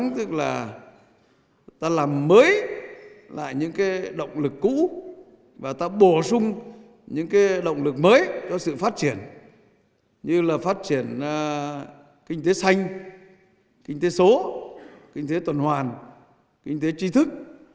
tích cực phát triển như là phát triển kinh tế xanh kinh tế số kinh tế tuần hoàn kinh tế tri thức